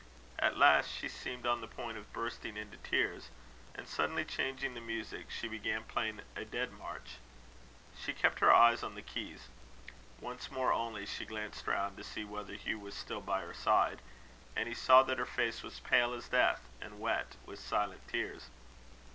At last she seemed on the point of bursting into tears; and, suddenly changing the music, she began playing a dead march. She kept her eyes on the keys. Once more, only, she glanced round, to see whether Hugh was still by her side; and he saw that her face was pale as death, and wet with silent tears.